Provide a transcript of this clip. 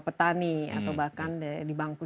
petani atau bahkan di bangku